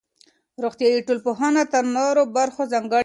روغتيائي ټولنپوهنه تر نورو برخو ځانګړې ده.